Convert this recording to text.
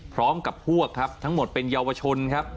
พร้อมกับพวกครับทั้งหมดเป็นเยาวชนครับ